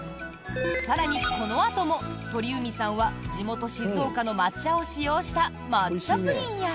更にこのあとも鳥海さんは地元・静岡の抹茶を使用した抹茶プリンや。